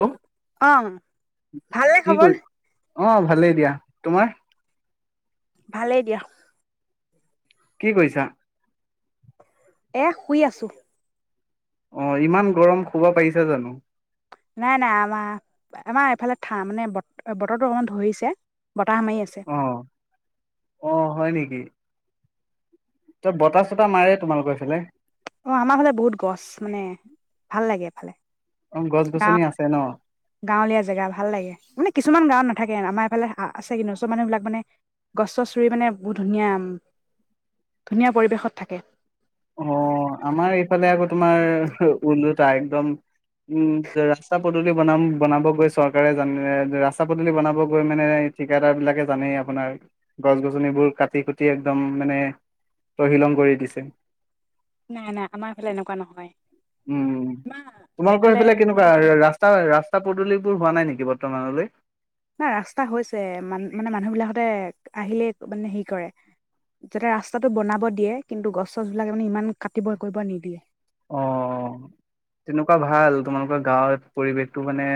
[unintelligible] অ', ভালনে কি খবৰ? কৰি অ ভালেই দিয়া তোমাৰ ভালেই দিয়া কি কৈছা এহ শুই আছো অ ইমান গৰম খব পাৰিছো জানো নাই নাই আমাৰ আমাৰ এইফালে থা মানে বত বতৰটো অকমান ধৰিছে বতাহ মাৰি আছে অ' তই বতাহ চতাহ মাৰে তোমালোকৰ এইফালে অ আমাৰ ফালে বহুত গছ মানে ভাল লাগে এফালে অ গছ গছনি আছে ন গাঁৱলীয়া জেগা ভাল লাগে মানে কিছুমান গাঁওত নাথাকে আমাৰ এইফালে আছে কিন্তু চব মানুহ বিলাক মানে গছ চছ ৰুই মানে বহুত ধুনীয়া ধুনীয়া পৰিৱেশত থাকে অ' আমাৰ এইফালে আকৌ তোমাৰ ওলোটা একদম উম ৰাস্তা পদূলি বনাম বনাব গৈ চৰকাৰে জাননে যে ৰাস্তা পদূলি বনাব গৈ মানে ঠিকাদাৰ বিলাকে জানেই আপোনাৰ গছ গছনিবোৰ কাটি কুটি একদম মানে তহিলং কৰি দিছে নাই নাই আমাৰ এইফালে এনেকুৱা নহয়। উম আমাৰ তোমালোকৰ এইফালে সেইফালে ইমান কেনেকুৱা ৰাস্তা ৰাস্তা পদূলিবোৰ হোৱা নাই নেকি বৰ [unintelligible] মানলৈ নাই ৰাস্তা হৈছে মান মানে মানুহ বিলাকতে আহিলেই মানে হেৰি কৰে যাতে ৰাস্তাটো বনাব দিয়ে কিন্তু গছ চছবিলাক মানে ইমান কাটিব কৰিব নিদিয়ে অ তেনেকুৱা ভাল তোমালোকৰ গাঁৱৰ পৰিৱেশটো মানে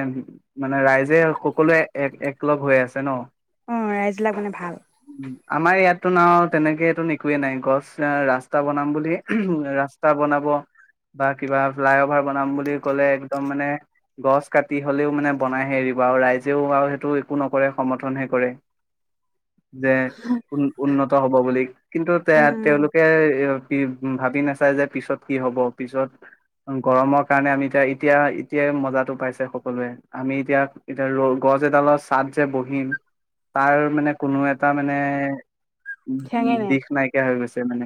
মানে ৰাইজে সকলোৱে এক একলগ হৈ আছে ন অ ৰাইজ বিলাক মানে ভাল আমাৰ ইয়াত ন তেনেকে এইটো একোৱে নাই গছ ৰাস্তা বনাম বুলি ৰাস্তা বনাব বা কিবা ফ্লাই অভাৰ বনাম বুলি কলে একদম মানে গছ কাটি হলেও মানে বনাইহে এৰিব আৰু ৰাইজেও আৰু সেইটো একো নকৰে সমৰ্থনহে কৰে যে উ উন্নত হ'ব বুলি কিন্তু তে উম তেওঁলোকে ভাবি নাচাই যে পিছত কি হ'ব পিছত গৰমৰ কাৰণে আমি এতিয়া এতিয়া এতিয়াই মজাটো পাইছে সকলোৱে আমি এতিয়া এতিয়া ৰ গছ এডালৰ ছাট যে বহিম তাৰ মানে কোনো এটা মানে উ ঠেঙে নাই দিশ নাইকিয়া হৈ গৈছে মানে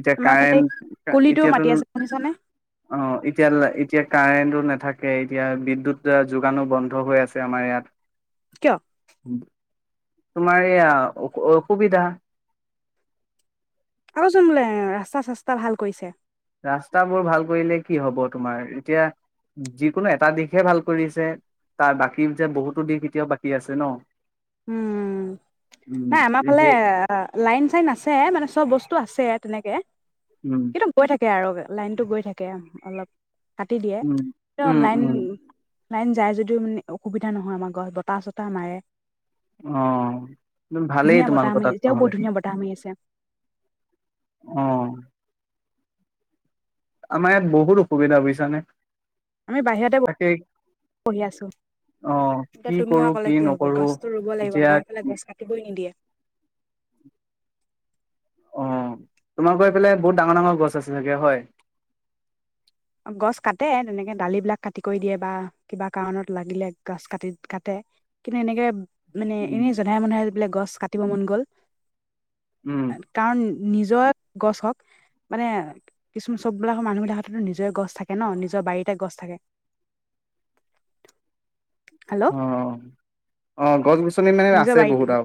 এতিয়া আমাৰ ফালে কাৰেণ্ট কলিটো এতিয়াতো মাতি আছে শুনিছানে অ এতিয়া এতিয়া কাৰেণ্টো নাথাকে এতিয়া বিদ্যুত যোগানো বন্ধ হৈ আছে আমাৰ ইয়াত কিয় তোমাৰ এয়া অসুবিধা আৰুচোন বোলে ৰাস্তা চাস্তা ভাল কৰিছে ৰাস্তাবোৰ ভাল কৰিলে কি হ'ব তোমাৰ এতিয়া যিকোনো এটা দিশহে ভাল কৰিছে তাৰ বাকী যে বহুতো দিশ এতিয়াও বাকী আছে ন উম, উম নাই আমাৰ ফালে সেই লাইন চাইন আছে মানে চব বস্তু আছে তেনেকে। উম সেইটো গৈ থাকে আৰু লাইনটো গৈ থাকে। অলপ কাটি দিয়ে উম, উম, [unintelligible] লাইন উম, লাইন যায় যদিও মানে অসুবিধা নহয় আমাৰ গছ বতাহ চতাহ মাৰে। অহ ভালেই ধুনীয়া বতাহ তোমালোকৰ মাৰি তাত এতিয়াও বহুত ন'হলে। ধুনীয়া বতাহ মাৰি আছে অহ আমাৰ ইয়াত বহুত অসুবিধা বুইছানে। আমি বাহিৰতে বহি আছো। অ', কি এতিয়া তুমি কৰো মই ক'লে কি হ'ব, নকৰো গছটো ৰুব লাগিব এতিয়া আমাৰ এইফালে গছ কাটিবই নিদিয়ে। অহ, তোমালোকৰ এইফালে বহুত ডাঙৰ ডাঙৰ গছ আছে চাগে হয়? গছ কাটে তেনেকে ডালি বিলাক কাটি কৰি দিয়ে বা কিবা কাৰণত লাগিলে গছ কাটি কাটে, কিন্তু এনেকে মানে উম, এনেই জধাই মধাই গছ কাটিব মন গ'ল উম, কাৰণ নিজৰ গছ হক, মানে কিছু চববিলাকৰ মানুহ বিলাক হাততো নিজে গছ থাকে নহ নিজৰ বাৰীতে গছ থাকে। হেল্ল'। অহ গছ গছনি [unintelligible] আছে বহুত আৰু।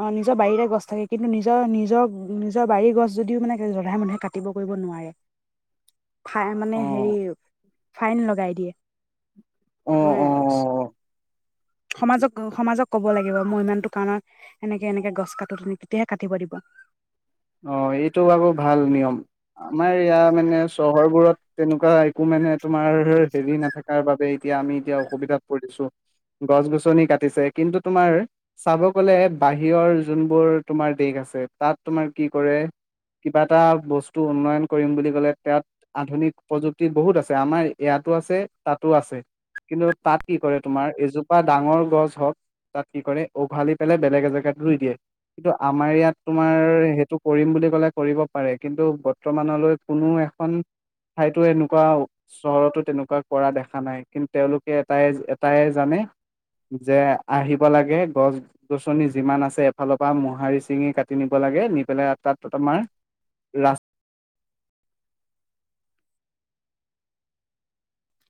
অহ নিজৰ বাৰীৰে গছ থাকে কিন্তু নিজৰ নিজৰ নিজৰ বাৰীৰ গছ যদিও মানে জধাই মধাই কাটিব কৰিব নোৱাৰে। ঠাই মানে অ', হেৰি ফাইন লগাই দিয়ে। অ', [unintelligible] অ', সমাজক সমাজক ক'ব লাগিব মই ইমানতো কাৰণত সেনেকে এনেকে গছ কাটো তেতিয়াহে কাটিব দিব। অহ এইটো আকৌ ভাল নিয়ম। আমাৰ ইয়াৰ মানে চহৰবোৰত তেনেকুৱা একো মানে তোমাৰ, হেৰি নাথাকাৰ বাবে এতিয়া আমি এতিয়া অসুবিধাত পৰিছো, গছ গছনি কাটিছে। কিন্তু তোমাৰ, চাব গ'লে বাহিৰৰ যোনবোৰ তোমাৰ দেশ আছে তাত তোমাৰ কি কৰে, কিবা এটা বস্তু উন্নয়ন কৰিম বুলি ক'লে তাত আধুনিক প্ৰযুক্তি বহুত আছে আমাৰ ইয়াতো আছে তাতো আছে, কিন্তু তাত কি কৰে তোমাৰ এজোপা ডাঙৰ গছ হওক তাত কি কৰে উঘালি পেলাই বেলেগ এজেগাত ৰুই দিয়ে, কিন্তু আমাৰ ইয়াত তোমাৰ তঅ‌ কৰিম বুলি ক'লে কৰিব পাৰে কিন্তু বৰ্তমানলৈ কোনো এখন ঠাইতো এনেকুৱা, চহৰতো তেনেকুৱা কৰা দেখা নাই, কিন্তু তেওঁলোকে এটাই এটাই জানে, যে আহিব লাগে গছ -গছনি যিমান আছে এফালৰ পৰা মোঁহাৰি ছিঙি কাটি নিব লাগে নি [unintelligible] তাত টো তোমাৰ, ৰা